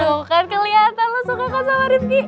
tuh kan keliatan lo suka suka sama rifki